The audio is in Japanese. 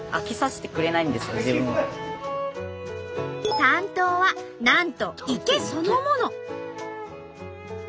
担当はなんと池そのもの。